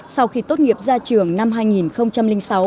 sau khi tốt nghiệp ra trường năm hai nghìn sáu